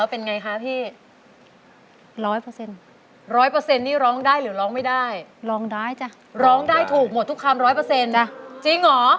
โปรดติดตามตอนตอนต่อไป